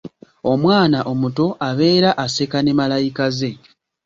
Omwana omuto abeera aseka ne malayika ze.